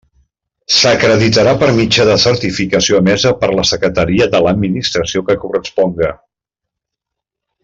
S'acreditarà per mitjà de certificació emesa per la Secretaria de l'administració que corresponga.